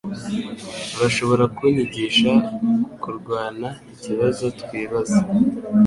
Urashobora kunyigisha kurwanaikibazo twibaza